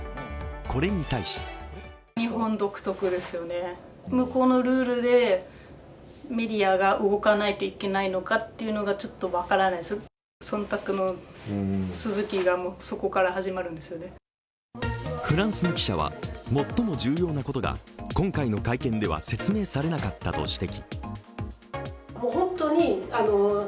これに対しフランスの記者は最も重要なことが今回の会見では説明されなかったと指摘。